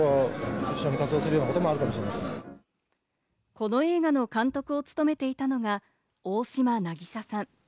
この映画の監督を務めていたのが大島渚さん。